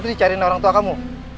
biar aku cari orang tua kamu